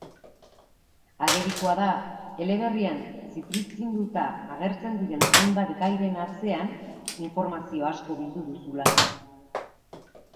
Agerikoa da eleberrian zipriztinduta agertzen diren hainbat gairen atzean informazio asko bildu duzula.